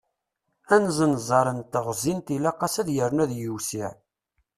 Anzenzaṛ n teɣẓint ilaq-as ad yernu ad yewsiε.